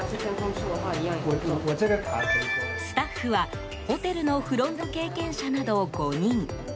スタッフはホテルのフロント経験者など５人。